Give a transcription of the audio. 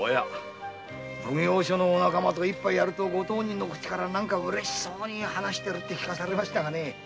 奉行所のお仲間と一杯やるとご当人の口からうれしそうに話してるって聞きましたがね。